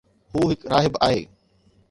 هو هڪ راهب آهي